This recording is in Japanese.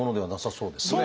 そうですね。